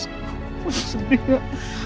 udah sedih gak